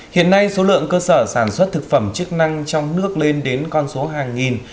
hiện nay số lượng cơ sở sản xuất thực phẩm chức năng trong nước lên đến con số hàng nghìn